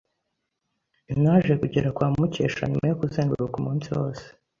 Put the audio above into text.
Naje kugera kwa Mukesha nyuma yo kuzenguruka umunsi wose.